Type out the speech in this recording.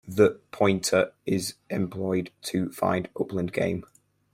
The pointer is employed to find upland game.